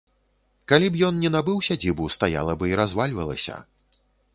Калі б ён не набыў сядзібу, стаяла бы і развальвалася.